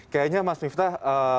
kayaknya mas miftah